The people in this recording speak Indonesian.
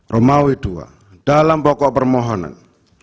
romawi dua dalam pokok permohonan